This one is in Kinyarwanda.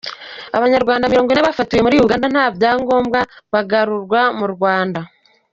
Abanyarwanda mirongwine bafatiwe muri Uganda nta byangombwa bagarurwa mu Rwanda